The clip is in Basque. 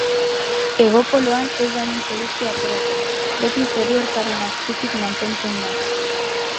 Hego poloan, ez da inoiz Eguzkia ateratzen; beti zeruertzaren azpitik mantentzen da.